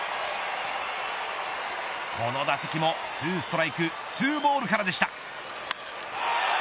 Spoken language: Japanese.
この打席もツーストライクツーボールからでした。